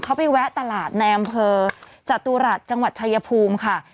เขาไปแวะตลาดในอำเภอจตุรัสจังหวัดชายภูมิค่ะ